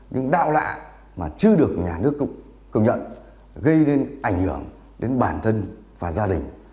những đạo lạ mà chưa được nhà nước công nhận gây nên ảnh hưởng đến bản thân và gia đình